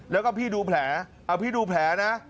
แล้วก็พี่ดูแผลเอาพี่ดูแผลนะ